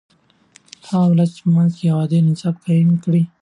هغه د ولس په منځ کې يو عدل او انصاف قايم کړ.